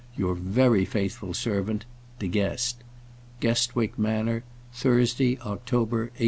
Your very faithful servant, DE GUEST. Guestwick Manor, Thursday, October, 186